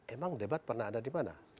emang debat pernah ada di mana